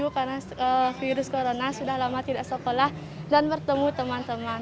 karena virus corona sudah lama tidak sekolah dan bertemu teman teman